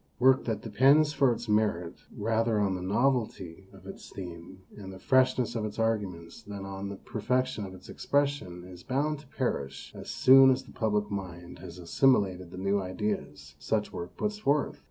Work that depends for its merit rather on the novelty of its theme and the freshness of its arguments than on the per fection of its expression is bound to perish as soon as the public mind has assimilated the new ideas such work puts forth.